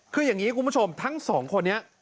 คืออย่างนี้คุณผู้ชมทั้งสองคนนี้